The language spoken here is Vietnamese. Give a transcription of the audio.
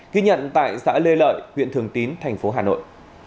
ghi nhận tại xã lê lợi huyện thường tín tp hà nội